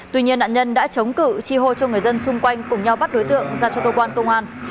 tuy nhiên nạn nhân đã chống cử tri hô cho người dân xung quanh cùng nhau bắt đối tượng ra cho cơ quan công an